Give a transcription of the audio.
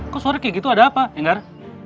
kok sore kayak gitu ada apa enggar